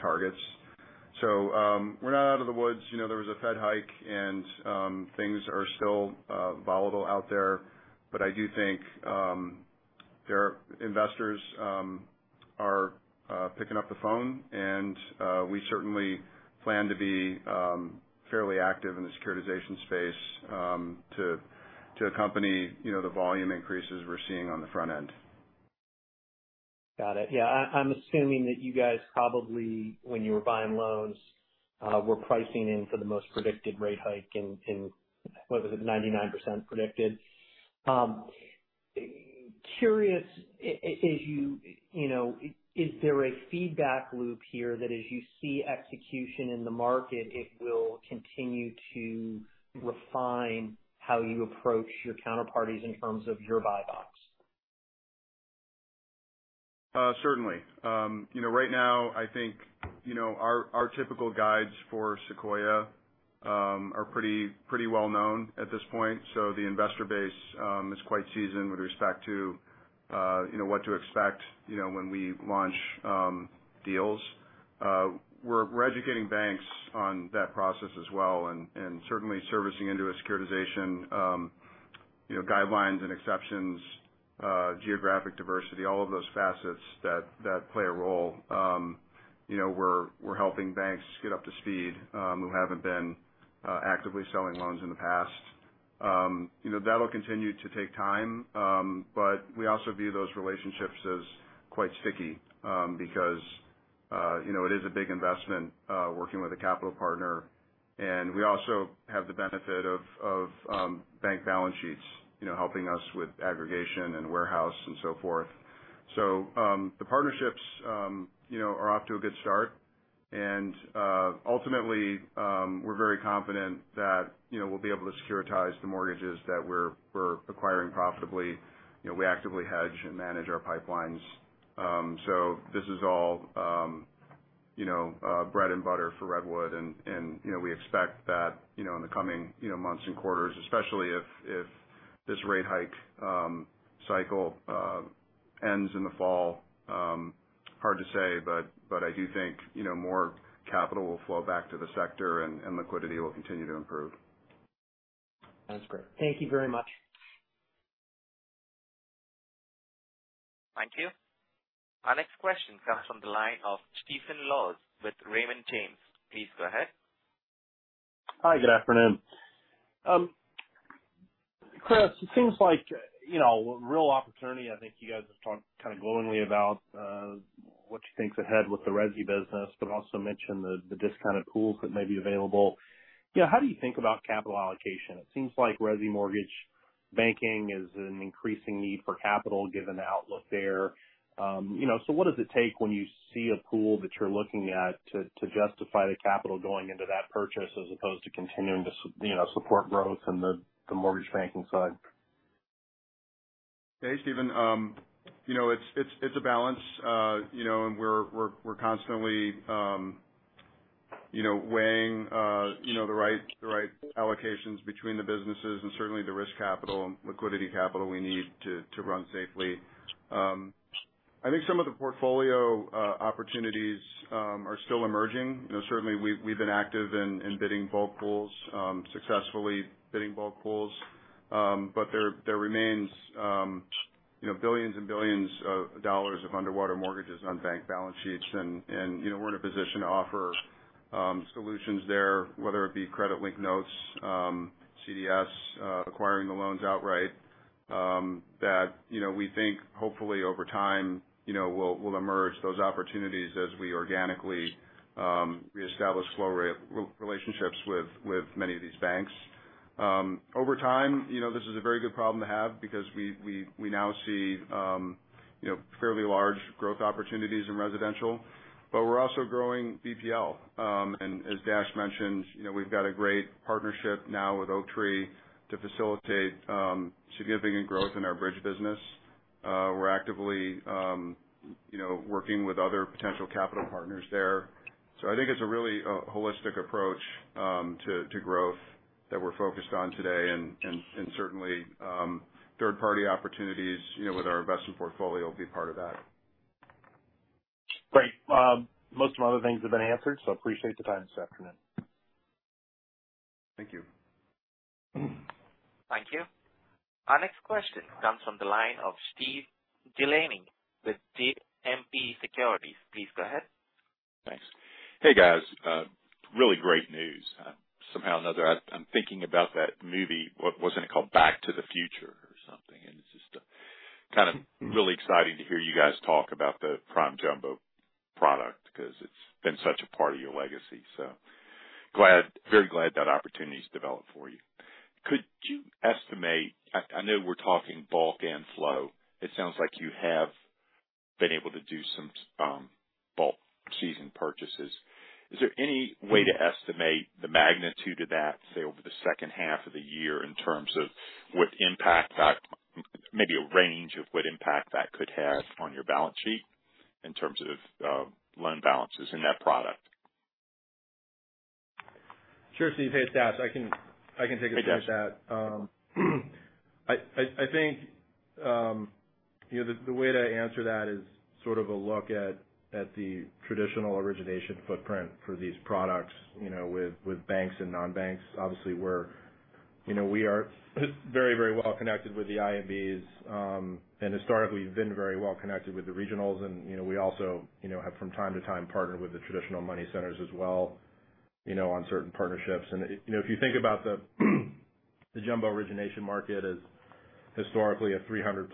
targets. We're not out of the woods. You know, there was a Fed hike, and things are still volatile out there. I do think there are investors picking up the phone, and we certainly plan to be fairly active in the securitization space to accompany, you know, the volume increases we're seeing on the front end. Got it. Yeah, I'm assuming that you guys, probably, when you were buying loans, were pricing in for the most predicted rate hike in, in, what was it? 99% predicted. Curious, as you, you know, is there a feedback loop here that as you see execution in the market, it will continue to refine how you approach your counterparties in terms of your buybacks? Certainly. You know, right now, I think, you know, our, our typical guides for Sequoia are pretty, pretty well known at this point. The investor base is quite seasoned with respect to, you know, what to expect, you know, when we launch deals. We're, we're educating banks on that process as well, and, and certainly servicing into a securitization, you know, guidelines and exceptions, geographic diversity, all of those facets that, that play a role. You know, we're, we're helping banks get up to speed who haven't been actively selling loans in the past. You know, that'll continue to take time, but we also view those relationships as quite sticky because, you know, it is a big investment working with a capital partner. We also have the benefit of, of bank balance sheets, you know, helping us with aggregation and warehouse and so forth. The partnerships, you know, are off to a good start, and ultimately, we're very confident that, you know, we'll be able to securitize the mortgages that we're, we're acquiring profitably. You know, we actively hedge and manage our pipelines. This is all, you know, bread and butter for Redwood Trust, and, and, you know, we expect that, you know, in the coming, you know, months and quarters, especially if, if this rate hike cycle ends in the fall. Hard to say, but, but I do think, you know, more capital will flow back to the sector and, and liquidity will continue to improve. That's great. Thank you very much. Thank you. Our next question comes from the line of Stephen Laws with Raymond James. Please go ahead. Hi, good afternoon. Chris, it seems like, you know, real opportunity, I think you guys have talked kind of glowingly about what you think's ahead with the resi business, but also mentioned the discounted pool that may be available. Yeah, how do you think about capital allocation? It seems like resi mortgage banking is an increasing need for capital, given the outlook there. You know, what does it take when you see a pool that you're looking at to justify the capital going into that purchase as opposed to continuing to you know, support growth on the mortgage banking side? Hey, Stephen. You know, it's, it's a balance. You know, and we're, we're, we're constantly, you know, weighing, you know, the right, the right allocations between the businesses and certainly the risk capital and liquidity capital we need to, to run safely. I think some of the portfolio opportunities are still emerging. You know, certainly we've, we've been active in, in bidding bulk pools, successfully bidding bulk pools. There, there remains, you know, billions and billions of dollars of underwater mortgages on bank balance sheets. And, you know, we're in a position to offer solutions there, whether it be credit-linked notes, CDS, acquiring the loans outright, that, you know, we think hopefully over time, you know, will emerge those opportunities as we organically re-establish flow relationships with many of these banks. Over time, you know, this is a very good problem to have because we, we, we now see, you know, fairly large growth opportunities in residential, but we're also growing BPL. And as Dash mentioned, you know, we've got a great partnership now with Oaktree to facilitate significant growth in our bridge business. We're actively, you know, working with other potential capital partners there. I think it's a really holistic approach to growth that we're focused on today. Certainly, third-party opportunities, you know, with our investment portfolio will be part of that. Great. Most of my other things have been answered, so appreciate the time this afternoon. Thank you. Thank you. Our next question comes from the line of Steve DeLaney with JMP Securities. Please go ahead. Thanks. Hey, guys, really great news. Somehow or another, I'm thinking about that movie, what's it called? Back to the Future or something, it's just, kind of really exciting to hear you guys talk about the prime jumbo product because it's been such a part of your legacy. So glad, very glad that opportunity's developed for you. Could you estimate, I know we're talking bulk and flow. It sounds like you have been able to do some bulk season purchases. Is there any way to estimate the magnitude of that, say, over the second half of the year, in terms of what impact that, maybe a range of what impact that could have on your balance sheet in terms of loan balances in that product? Sure, Steve. Hey, it's Dash. I can, I can take a crack at that. Hey, Dash. I think the way to answer that is sort of a look at the traditional origination footprint for these products, with banks and non-banks. Obviously, we're we are very, very well connected with the IMBs. Historically, we've been very well connected with the regionals, we also have from time to time partnered with the traditional money centers as well on certain partnerships. If you think about the jumbo origination market as historically a $300+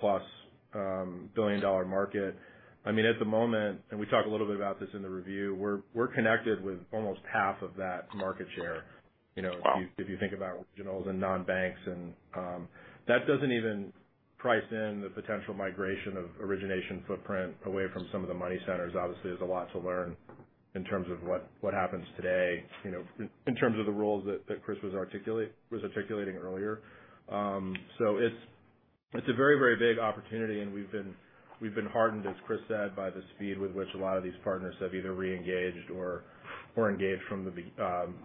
billion market. I mean, at the moment, and we talk a little bit about this in the review, we're connected with almost half of that market share. You know, if you, if you think about regionals and non-banks and, that doesn't even price in the potential migration of origination footprint away from some of the money centers. Obviously, there's a lot to learn in terms of what, what happens today, you know, in, in terms of the roles that, that Chris was articulating earlier. It's, it's a very, very big opportunity, and we've been, we've been hardened, as Chris said, by the speed with which a lot of these partners have either re-engaged or, or engaged from the be,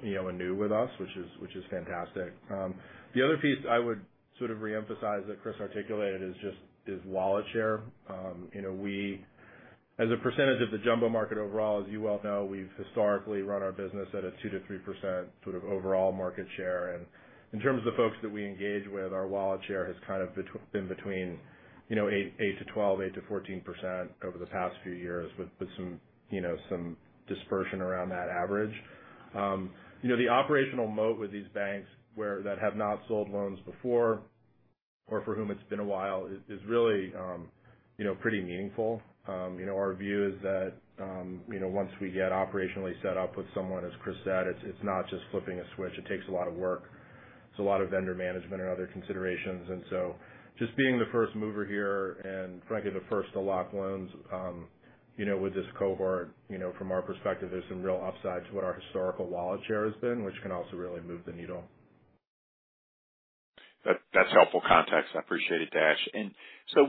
you know, anew with us, which is, which is fantastic. The other piece I would sort of re-emphasize that Chris articulated is just is wallet share. You know, we as a percentage of the jumbo market overall, as you well know, we've historically run our business at a 2% to 3% sort of overall market share. In terms of the folks that we engage with, our wallet share has kind of been between, you know, 8% to 12%, 8% to 14% over the past few years, with some, you know, some dispersion around that average. You know, the operational moat with these banks that have not sold loans before or for whom it's been a while, is really, you know, pretty meaningful. You know, our view is that, you know, once we get operationally set up with someone, as Chris said, it's not just flipping a switch, it takes a lot of work. It's a lot of vendor management and other considerations. Just being the first mover here and frankly, the first to lock loans, you know, with this cohort, you know, from our perspective, there's some real upside to what our historical wallet share has been, which can also really move the needle. That's helpful context. I appreciate it, Dash.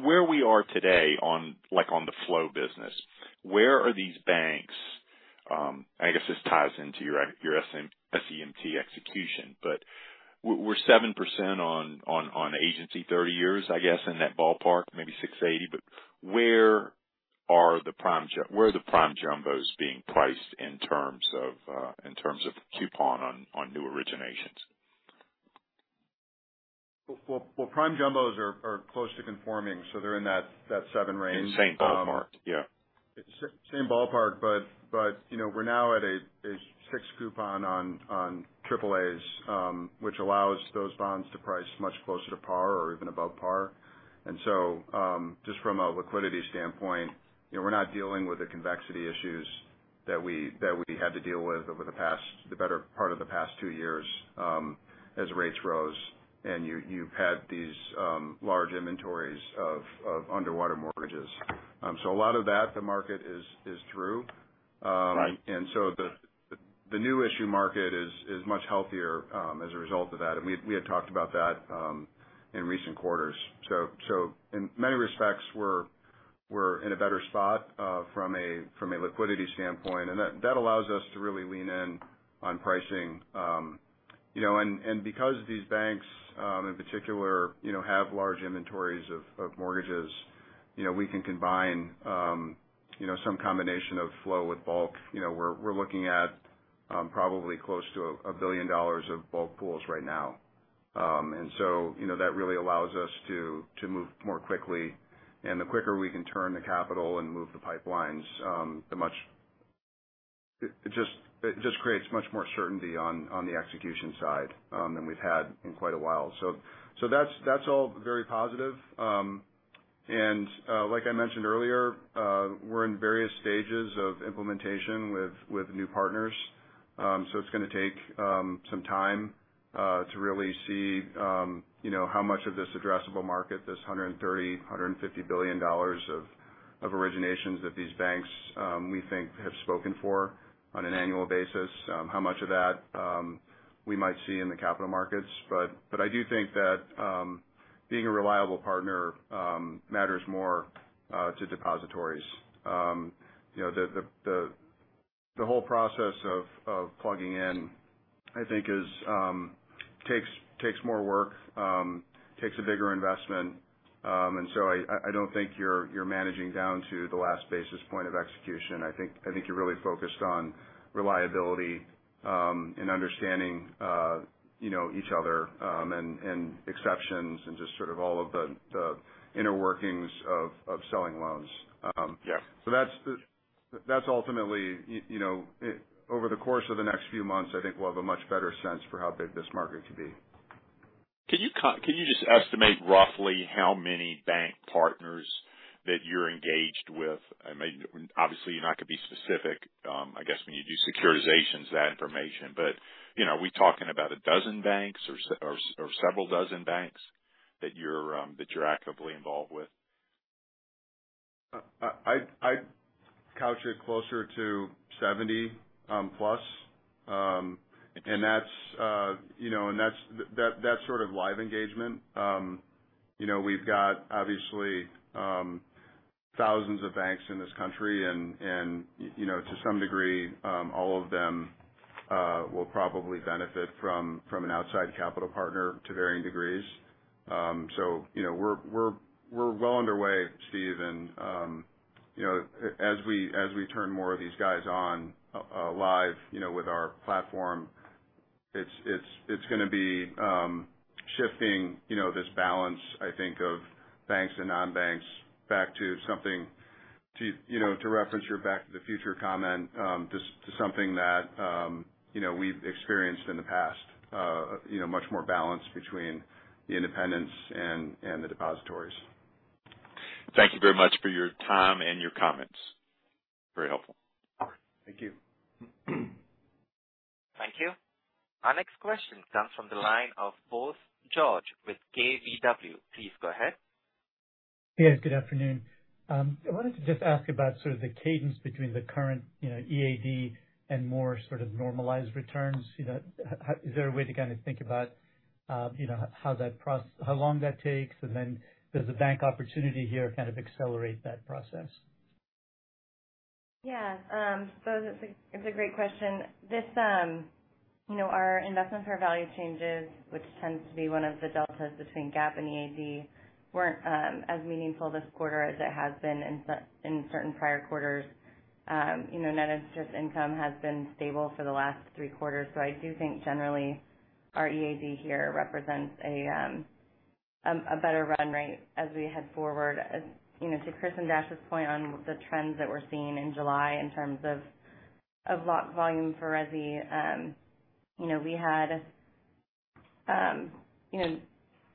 Where we are today on, on the flow business, where are these banks? I guess this ties into your, your SEMT execution, but we're 7% on, on, on agency, 30 years, I guess, in that ballpark, maybe 680. Where are the prime jumbos being priced in terms of, in terms of coupon on, on new originations? Well, prime jumbos are close to conforming, so they're in that seven range. The same ballpark, yeah. Same ballpark, but, you know, we're now at a six coupon on AAAs, which allows those bonds to price much closer to par or even above par. Just from a liquidity standpoint, you know, we're not dealing with the convexity issues that we had to deal with over the better part of the past two years, as rates rose. You've had these large inventories of underwater mortgages. A lot of that, the market is true. Right. So the, the, the new issue market is, is much healthier as a result of that. We, we had talked about that in recent quarters. In many respects, we're, we're in a better spot from a, from a liquidity standpoint, and that, that allows us to really lean in on pricing. You know, and, and because these banks, in particular, you know, have large inventories of, of mortgages, you know, we can combine, you know, some combination of flow with bulk. You know, we're, we're looking at, probably close to $1 billion of bulk pools right now. So, you know, that really allows us to, to move more quickly. The quicker we can turn the capital and move the pipelines, the much. It just, it just creates much more certainty on, on the execution side, than we've had in quite a while. That's, that's all very positive. Like I mentioned earlier, we're in various stages of implementation with, with new partners. It's gonna take some time to really see, you know, how much of this addressable market, this $130 billion to $150 billion of originations that these banks, we think have spoken for on an annual basis, how much of that, we might see in the capital markets. I do think that being a reliable partner, matters more to depositories. You know, the whole process of, of plugging in, I think is, takes, takes more work, takes a bigger investment. So I don't think you're, you're managing down to the last basis point of execution. I think, I think you're really focused on reliability, and understanding, you know, each other, and exceptions and just sort of all of the, the inner workings of, of selling loans. Yeah. That's ultimately, you know, it over the course of the next few months, I think we'll have a much better sense for how big this market could be. Can you just estimate roughly how many bank partners that you're engaged with? I mean, obviously, you're not going to be specific, I guess when you do securitizations, that information, but, you know, are we talking about a dozen banks or several dozen banks that you're actively involved with? I'd couch it closer to 70+. That's, you know, and that's, that, that sort of live engagement. You know, we've got obviously, thousands of banks in this country, and, and, you know, to some degree, all of them will probably benefit from, from an outside capital partner to varying degrees. You know, we're, we're well underway, Steve, and, you know, as we, as we turn more of these guys on, live, you know, with our platform, it's, it's, it's gonna be shifting, you know, this balance, I think, of banks and non-banks back to something. You know, to reference your Back to the Future comment, just to something that, you know, we've experienced in the past, you know, much more balanced between the independents and, and the depositories. Thank you very much for your time and your comments. Very helpful. Thank you. Thank you. Our next question comes from the line of Bose George with KBW. Please go ahead. Yes, good afternoon. I wanted to just ask about sort of the cadence between the current, you know, EAD and more sort of normalized returns. You know, is there a way to kind of think about, you know, how long that takes? Then does the bank opportunity here kind of accelerate that process? Yeah, so that's a, it's a great question. This, you know, our investment fair value changes, which tends to be one of the deltas between GAAP and EAD, weren't as meaningful this quarter as it has been in certain prior quarters. You know, net interest income has been stable for the last three quarters, so I do think generally our EAD here represents a better run rate as we head forward. As you know, to Chris and Dash's point on the trends that we're seeing in July in terms of, of lock volume for resi, you know, we had, you know,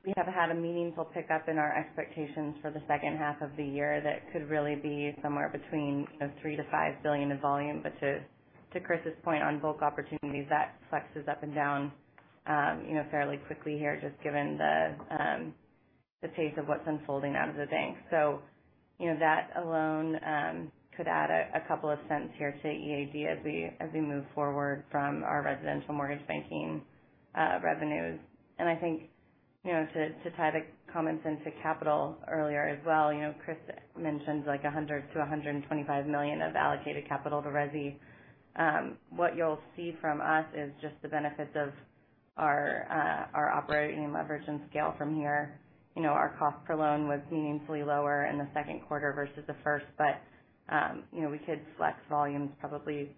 we have had a meaningful pickup in our expectations for the second half of the year that could really be somewhere between, you know, $3 billion to $5 billion in volume. To, to Chris's point on bulk opportunities, that flexes up and down, you know, fairly quickly here, just given the pace of what's unfolding out of the bank. You know, that alone, could add a couple of cents here to EAD as we, as we move forward from our residential mortgage banking, revenues. I think, you know, to, to tie the comments into capital earlier as well, you know, Chris mentioned like $100 million to $125 million of allocated capital to resi. What you'll see from us is just the benefits of our, our operating leverage and scale from here. You know, our cost per loan was meaningfully lower in the second quarter versus the first. You know, we could flex volumes probably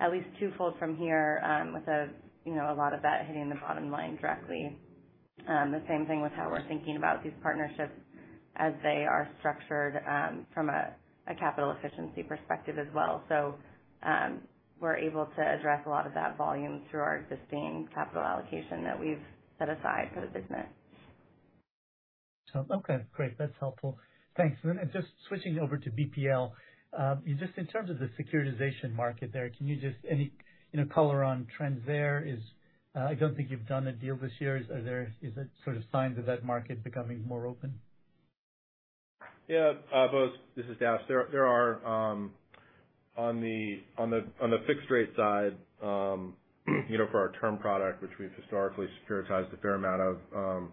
at least twofold from here, with a, you know, a lot of that hitting the bottom line directly. The same thing with how we're thinking about these partnerships as they are structured, from a, a capital efficiency perspective as well. We're able to address a lot of that volume through our existing capital allocation that we've set aside for the business. Okay, great. That's helpful. Thanks. Then just switching over to BPL, just in terms of the securitization market there, can you just any, you know, color on trends there? I don't think you've done a deal this year. Is there, is it sort of sign to that market becoming more open? Yeah, Bose, this is Dash. There, there are, on the, on the, on the fixed rate side, you know, for our term product, which we've historically securitized a fair amount of,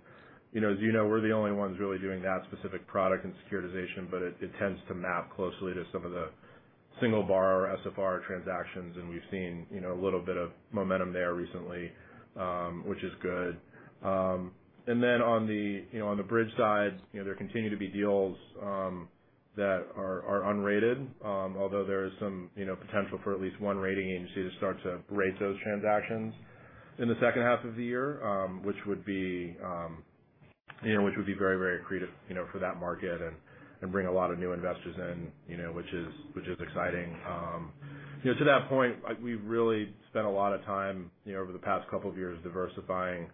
you know, as you know, we're the only ones really doing that specific product and securitization, but it, it tends to map closely to some of the single borrower SFR transactions, and we've seen, you know, a little bit of momentum there recently, which is good. Then on the, you know, on the bridge side, you know, there continue to be deals that are, are unrated, although there is some, you know, potential for at least one rating agency to start to rate those transactions in the second half of the year, which would be, you know, which would be very, very accretive, you know, for that market and, and bring a lot of new investors in, you know, which is, which is exciting. You know, to that point, like, we've really spent a lot of time, you know, over the past couple of years diversifying,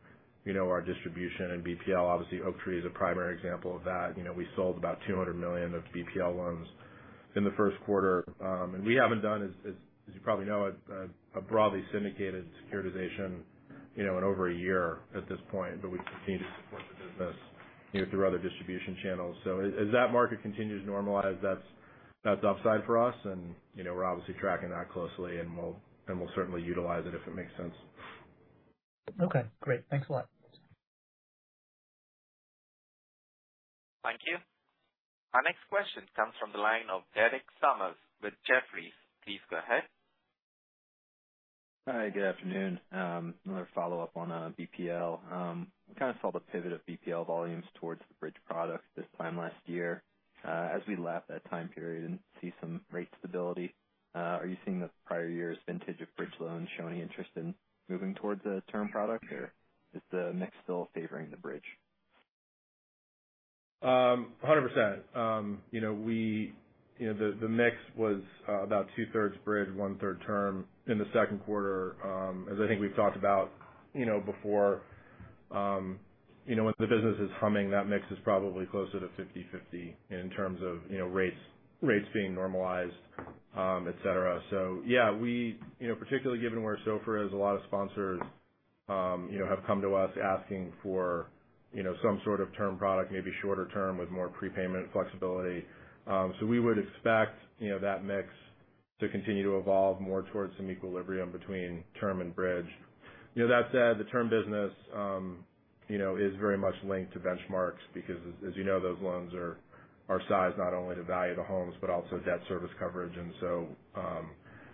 you know, our distribution and BPL. Obviously, Oaktree is a primary example of that. You know, we sold about $200 million of BPL loans in the first quarter. We haven't done, as you probably know, a broadly syndicated securitization, you know, in over a year at this point, but we continue to support the business, you know, through other distribution channels. As that market continues to normalize, that's upside for us. You know, we're obviously tracking that closely, and we'll certainly utilize it if it makes sense. Okay, great. Thanks a lot. Thank you. Our next question comes from the line of Derek Sommers with Jefferies. Please go ahead. Hi, good afternoon. Another follow-up on BPL. We kind of saw the pivot of BPL volumes towards the bridge product this time last year. As we lap that time period and see some rate stability, are you seeing the prior years vintage of bridge loans show any interest in moving towards a term product, or is the mix still favoring the bridge? 100%. You know, we, you know, the, the mix was about 2/3 bridge, 1/3 term in the second quarter. As I think we've talked about, you know, before, you know, when the business is humming, that mix is probably closer to 50/50 in terms of, you know, rates, rates being normalized, et cetera. Yeah, we, you know, particularly given where SOFR is, a lot of sponsors, you know, have come to us asking for, you know, some sort of term product, maybe shorter term, with more prepayment flexibility. We would expect, you know, that mix to continue to evolve more towards some equilibrium between term and bridge. You know, that said, the term business, you know, is very much linked to benchmarks because as, as you know, those loans are, are sized not only to value the homes but also debt service coverage. So,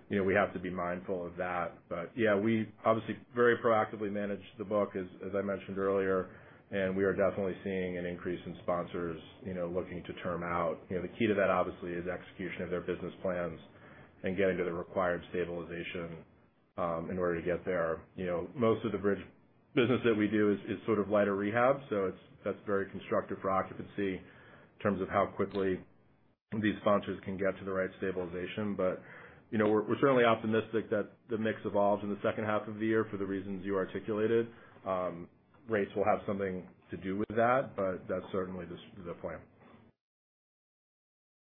you know, we have to be mindful of that. Yeah, we obviously very proactively manage the book, as, as I mentioned earlier, and we are definitely seeing an increase in sponsors, you know, looking to term out. You know, the key to that, obviously, is execution of their business plans and getting to the required stabilization in order to get there. You know, most of the bridge business that we do is, is sort of lighter rehab, so it's, that's very constructive for occupancy in terms of how quickly these sponsors can get to the right stabilization. You know, we're certainly optimistic that the mix evolves in the second half of the year for the reasons you articulated. Rates will have something to do with that, but that's certainly this is the plan.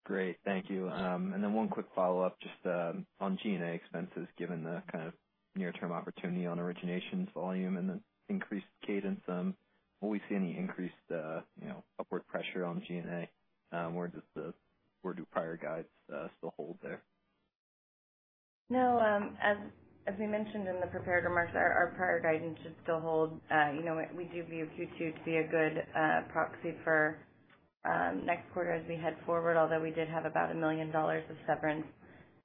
Great. Thank you. Then one quick follow-up, just on G&A expenses, given the kind of near-term opportunity on originations volume and the increased cadence, will we see any increased, you know, upward pressure on G&A? Or do prior guides still hold there? No, as, as we mentioned in the prepared remarks, our, our prior guidance should still hold. You know, we do view Q2 to be a good proxy for next quarter as we head forward, although we did have about $1 million of severance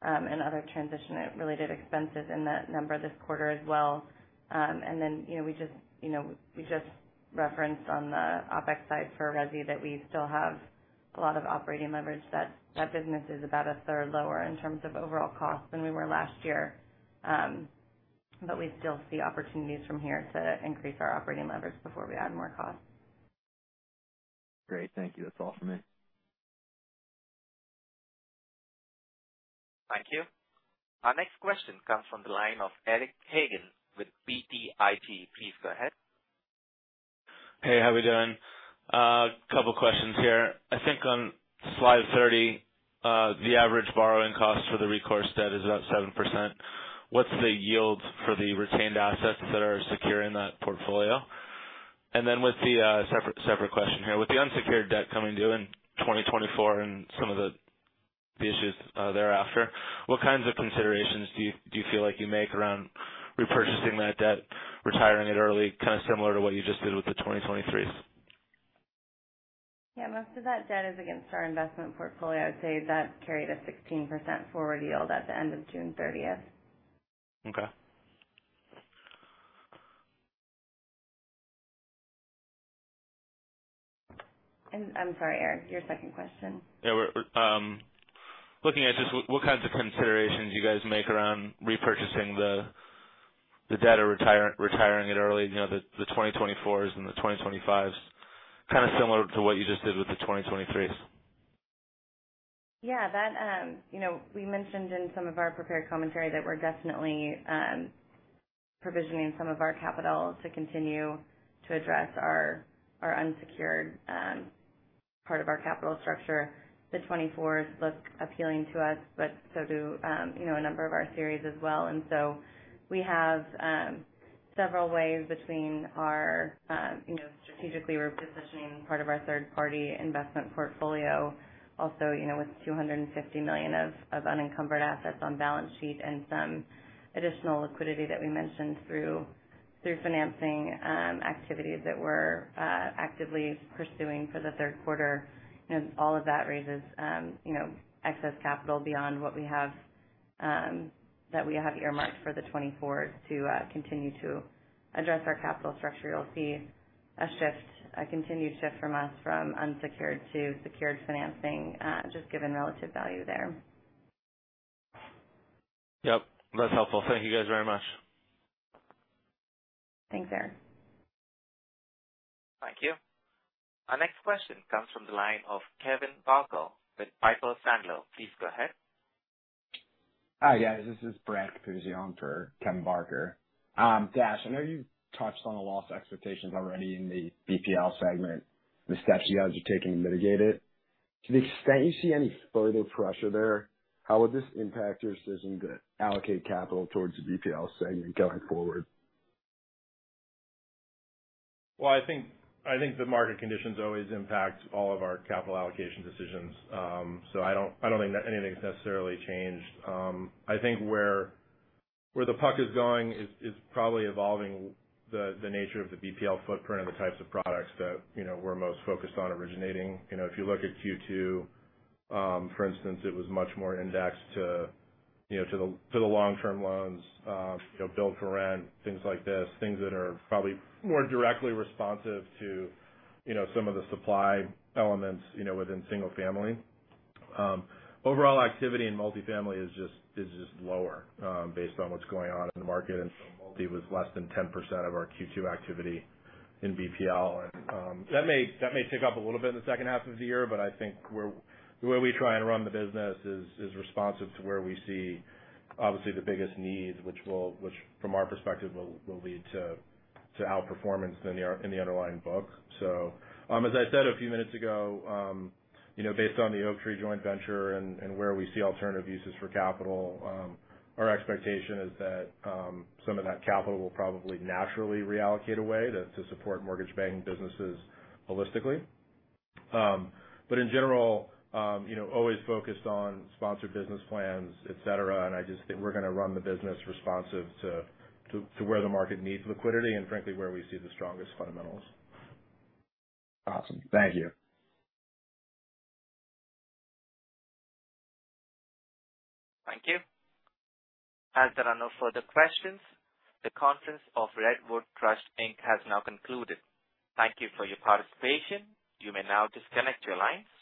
and other transition-related expenses in that number this quarter as well. You know, we just, you know, we just referenced on the OpEx side for resi that we still have a lot of operating leverage. That, that business is about a third lower in terms of overall costs than we were last year. We still see opportunities from here to increase our operating leverage before we add more costs. Great. Thank you. That's all from me. Thank you. Our next question comes from the line of Eric Hagen with BTIG. Please go ahead. Hey, how we doing? Couple questions here. I think on slide 30, the average borrowing cost for the recourse debt is about 7%. What's the yield for the retained assets that are secure in that portfolio? Then with the separate question here. With the unsecured debt coming due in 2024 and some of the issues thereafter, what kinds of considerations do you feel like you make around repurchasing that debt, retiring it early, kind of similar to what you just did with the 2023? Yeah, most of that debt is against our investment portfolio. I would say that carried a 16% forward yield at the end of June 30th. Okay. I'm sorry, Eric, your second question? Yeah, we're looking at just what, what kinds of considerations you guys make around repurchasing the, the debt or retiring it early, you know, the 2024 and the 2025, kind of similar to what you just did with the 2023. Yeah, that, you know, we mentioned in some of our prepared commentary that we're definitely provisioning some of our capital to continue to address our, our unsecured part of our capital structure. The 2024 look appealing to us, but so do, you know, a number of our series as well. So we have several ways between our, you know, strategically, we're positioning part of our third-party investment portfolio. Also, you know, with $250 million of, of unencumbered assets on balance sheet and some additional liquidity that we mentioned through, through financing activities that we're actively pursuing for the third quarter. All of that raises, you know, excess capital beyond what we have that we have earmarked for the 2024 to continue to address our capital structure. You'll see a shift, a continued shift from us, from unsecured to secured financing, just given relative value there. Yep, that's helpful. Thank you guys very much. Thanks, Eric. Thank you. Our next question comes from the line of Kevin Barker with Piper Sandler. Please go ahead. Hi, guys. This is Brad Capuzzi on for Kevin Barker. Dash, I know you touched on the loss expectations already in the BPL segment, the steps you guys are taking to mitigate it. To the extent you see any further pressure there, how would this impact your decision to allocate capital towards the BPL segment going forward? Well, I think, I think the market conditions always impact all of our capital allocation decisions. I don't, I don't think that anything's necessarily changed. I think where, where the puck is going is, is probably evolving the, the nature of the BPL footprint and the types of products that, you know, we're most focused on originating. You know, if you look at Q2, for instance, it was much more indexed to, you know, to the, to the long-term loans, you know, build-to-rent, things like this, things that are probably more directly responsive to, you know, some of the supply elements, you know, within single-family. Overall activity in multi-family is just, is just lower, based on what's going on in the market. Multi was less than 10% of our Q2 activity in BPL, and that may, that may tick up a little bit in the second half of the year, but I think the way we try and run the business is, is responsive to where we see obviously the biggest needs, which will, which from our perspective, will, will lead to, to outperformance in the, in the underlying book. As I said a few minutes ago, you know, based on the Oaktree joint venture and, and where we see alternative uses for capital, our expectation is that some of that capital will probably naturally reallocate away to, to support mortgage banking businesses holistically. In general, you know, always focused on sponsored business plans, et cetera, and I just think we're going to run the business responsive to, to where the market needs liquidity and frankly, where we see the strongest fundamentals. Awesome. Thank you. Thank you. As there are no further questions, the conference of Redwood Trust Inc. has now concluded. Thank you for your participation. You may now disconnect your lines.